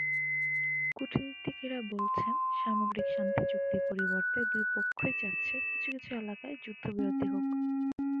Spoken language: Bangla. কূটনীতিকেরা বলছেন, সামগ্রিক শান্তিচুক্তির পরিবর্তে দুই পক্ষই চাচ্ছে কিছু কিছু এলাকায় যুদ্ধবিরতি হোক।